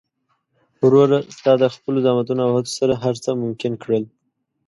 وروره! ستا د خپل زحمتونو او هڅو سره هر څه ممکن کړل.